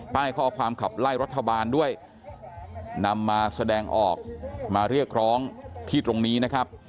ข้อความขับไล่รัฐบาลด้วยนำมาแสดงออกมาเรียกร้องที่ตรงนี้นะครับ